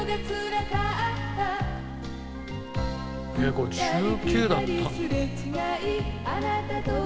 これ１９だったんだ。